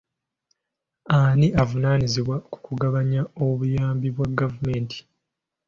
Ani avunaanyizibwa ku kugabanya obuyambi bwa gavumenti.